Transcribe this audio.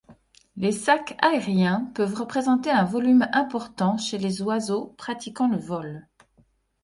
Les sacs aériens peuvent représenter un volume important chez les oiseaux pratiquant le vol.